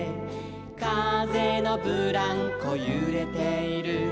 「かぜのブランコゆれている」